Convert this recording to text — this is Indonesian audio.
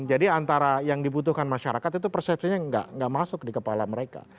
jadi antara yang dibutuhkan masyarakat itu persepsinya nggak masuk di kepala mereka